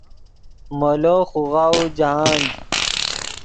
مولو خوغاؤو جاہند